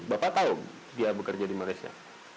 bapak tahu dia bekerja di malaysia